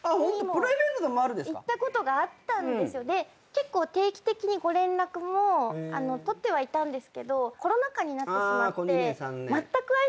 結構定期的にご連絡も取っていたんですけどコロナ禍になってまったく会えなくなってしまって。